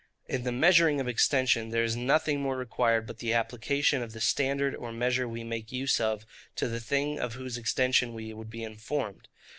In the measuring of extension, there is nothing more required but the application of the standard or measure we make use of to the thing of whose extension we would be informed.